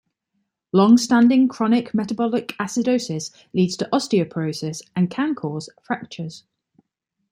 Longstanding chronic metabolic acidosis leads to osteoporosis and can cause fractures.